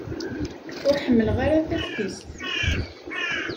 Ur ḥemmleɣ ara taftist.